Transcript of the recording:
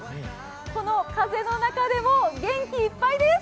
この風の中でも元気いっぱいです。